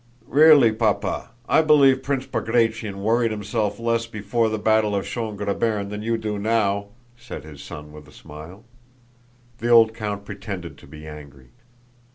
"Really, Papa, I believe Prince Bagratión worried himself less before the battle of Schön Grabern than you do now," said his son with a smile. The old count pretended to be angry.